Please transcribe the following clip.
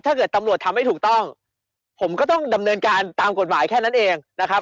ถ้าเกิดตำรวจทำให้ถูกต้องผมก็ต้องดำเนินการตามกฎหมายแค่นั้นเองนะครับ